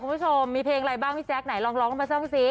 คุณผู้ชมมีเพลงอะไรบ้างพี่แจ๊คไหนลองร้องมาซ่อมซิ